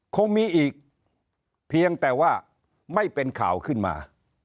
คงมีอีกเพียงแต่ว่าไม่เป็นข่าวขึ้นมา